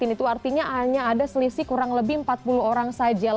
itu artinya hanya ada selisih kurang lebih empat puluh orang saja